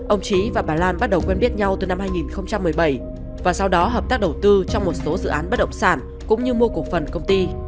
ông trí và bà lan bắt đầu quen biết nhau từ năm hai nghìn một mươi bảy và sau đó hợp tác đầu tư trong một số dự án bất động sản cũng như mua cổ phần công ty